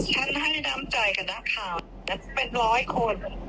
ให้น้ำใจกับนักข่าวเป็นร้อยคน